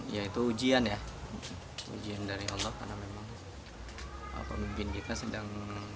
ya itu ujian ya ujian dari allah karena memang pemimpin kita sedang